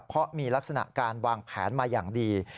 เพราะมีลักษณะการวางแผนมาอย่างดี